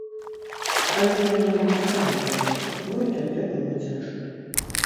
Але яна маўчала табе, бо і табе было цяжка.